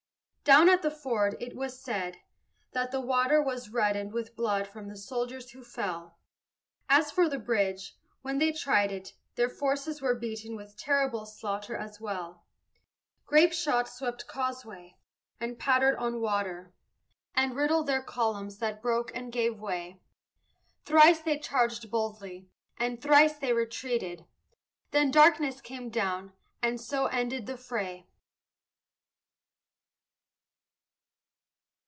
Down at the ford, it was said, that the water Was reddened with blood from the soldiers who fell: As for the bridge, when they tried it, their forces Were beaten with terrible slaughter as well. Grape shot swept causeway, and pattered on water, And riddled their columns, that broke and gave way; Thrice they charged boldly, and thrice they retreated; Then darkness came down, and so ended the fray.